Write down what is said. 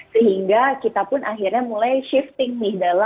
sehingga kita pun akhirnya mulai shifting nih